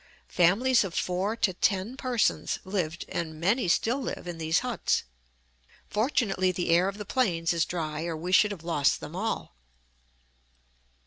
Families of four to ten persons lived, and many still live, in these huts. Fortunately the air of the plains is dry, or we should have lost them all!